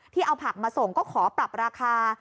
เอาผักมาส่งก็ขอปรับราคา